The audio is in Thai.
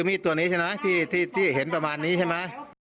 มีดตัวนี้ใช่ไหมที่เห็นประมาณนี้ใช่ไหม